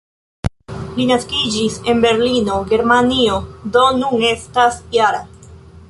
Li naskiĝis en Berlino, Germanio, do nun estas -jara.